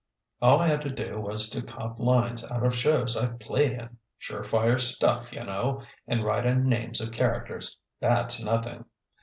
All I had to do was to cop lines out of shows I've played in sure fire stuff, yunno and write in names of characters. That's nothing."